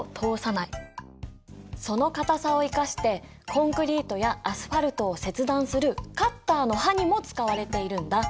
その硬さを生かしてコンクリートやアスファルトを切断するカッターの刃にも使われているんだ。